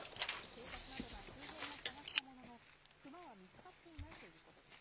警察などが周辺を捜したものの、クマは見つかっていないということです。